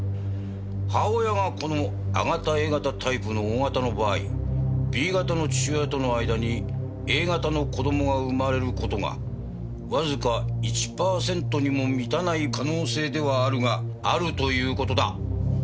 母親がこの亜型Ａ型タイプのＯ型の場合Ｂ型の父親との間にＡ型の子供が生まれる事がわずか１パーセントにも満たない可能性ではあるがあるという事だ。